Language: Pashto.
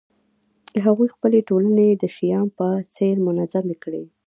هغوی خپلې ټولنې د شیام په څېر منظمې کړې